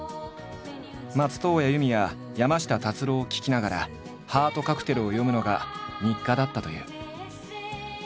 松任谷由実や山下達郎を聴きながら「ハートカクテル」を読むのが日課だったという。